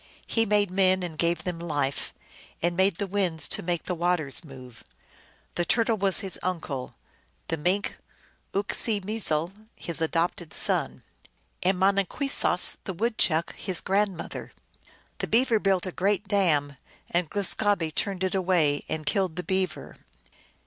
He made men and gave them life, and made the winds to make the waters move. The Turtle was his uncle ; the Mink, Uk see meezel, his adopted son; and Monin kwessos, the Woodchuck, his grandmother. The Beaver built a great dam, and Glus gahbe turned it away and killed the Beaver.